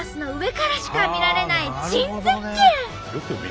からしか見られない珍絶景。